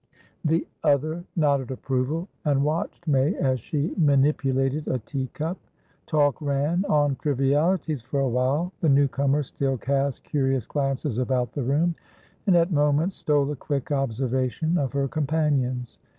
The other nodded approval, and watched May as she manipulated a tea cup. Talk ran on trivialities for a while; the new comer still cast curious glances about the room, and at moments stole a quick observation of her companions.